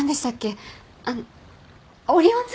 あっオリオン座？